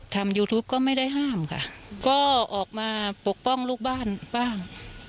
ยูทูปก็ไม่ได้ห้ามค่ะก็ออกมาปกป้องลูกบ้านบ้าง